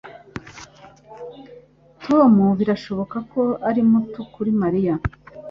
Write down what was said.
Tom birashoboka ko ari muto kuri Mariya.